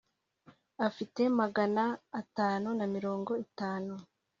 afite magana atatu na mirongo itanu.